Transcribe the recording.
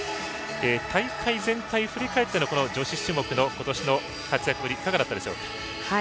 大会全体振り返っての女子種目の今年の活躍ぶりいかがだったでしょうか？